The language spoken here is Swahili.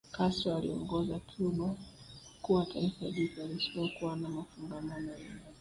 Castro aliiongoza Cuba kuwa taifa jipya lisilokuwa na mafungamano yoyote